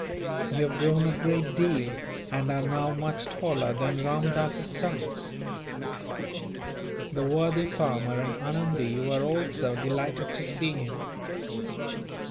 You have grown a great deal, and are now much taller than Ramdass's sons." The worthy farmer and Anundee were also delighted to see him.